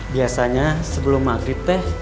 biasanya sebelum maghrib teh